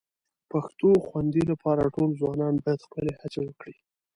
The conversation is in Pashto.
پښتو خوندي لپاره ټول ځوانان باید خپلې هڅې وکړي